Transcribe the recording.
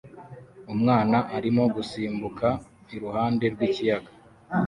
Umwana arimo gusimbuka iruhande rw'ikiyaga